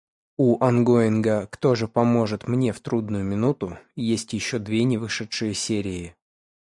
У онгоинга «Кто же поможет мне в трудную минуту?» есть ещё две невышедшие серии.